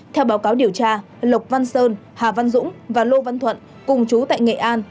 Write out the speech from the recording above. theo báo cáo điều tra lộc văn sơn hà văn dũng và lô văn thuận cùng chú tại nghệ an